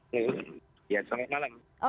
ya selamat malam